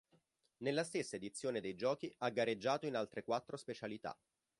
Nella stessa edizione dei giochi ha gareggiato in altre quattro specialità.